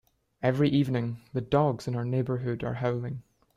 Every evening, the dogs in our neighbourhood are howling.